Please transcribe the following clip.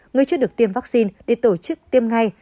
người chưa được tiêm vaccine để tổ chức tiêm ngay